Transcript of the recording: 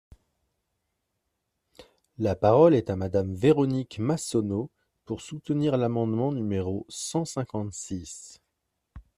La parole est à Madame Véronique Massonneau, pour soutenir l’amendement numéro cent cinquante-six.